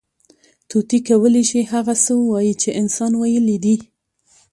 طوطي کولی شي، هغه څه ووایي، چې انسان ویلي دي.